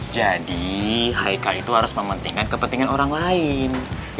jadi heikal itu harus mementingkan kepentingan orang lain